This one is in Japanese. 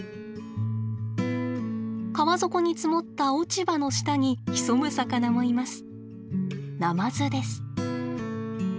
川底に積もった落ち葉の下に潜む魚もいます。